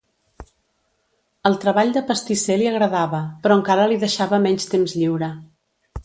El treball de pastisser li agradava, però encara li deixava menys temps lliure.